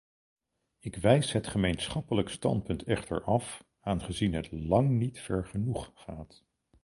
Ik wijs het gemeenschappelijk standpunt echter af, aangezien het lang niet ver genoeg gaat.